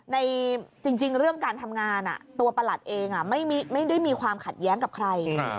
จริงเรื่องการทำงานตัวประหลัดเองไม่ได้มีความขัดแย้งกับใคร